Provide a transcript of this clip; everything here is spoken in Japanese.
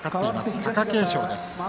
貴景勝です。